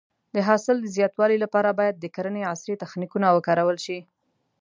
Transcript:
د حاصل د زیاتوالي لپاره باید د کرنې عصري تخنیکونه وکارول شي.